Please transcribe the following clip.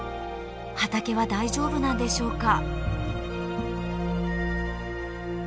畑は大丈夫なんでしょうか。